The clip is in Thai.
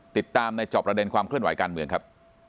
ติดตามในจอบประเด็นความเคลื่อนไหวการเมืองครับ